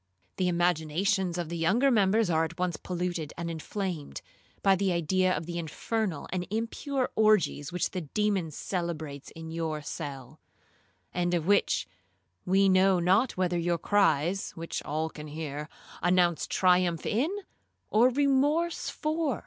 The imaginations of the younger members are at once polluted and inflamed, by the idea of the infernal and impure orgies which the demon celebrates in your cell; and of which we know not whether your cries, (which all can hear), announce triumph in, or remorse for.